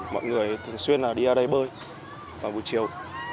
mọi người thường xuyên đi ở đây bơi vào buổi chiều